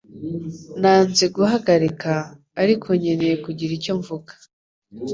Nanze guhagarika, ariko nkeneye kugira icyo mvuga.